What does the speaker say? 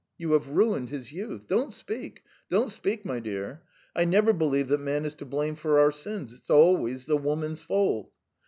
You have ruined his youth. Don't speak, don't speak, my dear! I never believe that man is to blame for our sins. It is always the woman's fault.